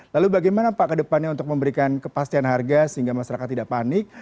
lalu bagaimana pak ke depannya untuk memberikan kepastian harga sehingga masyarakat tidak panik